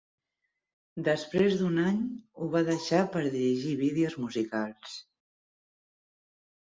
Després d'un any ho va deixar per dirigir vídeos musicals.